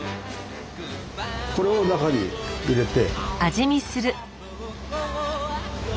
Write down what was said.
これを中に入れて。